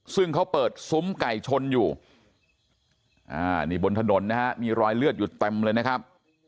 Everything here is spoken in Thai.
ซึ่งเขาเปิดซุ้มไก่ชนอยู่นี่บนถนนนะฮะมีรอยเลือดอยู่เต็มเลยนะครับ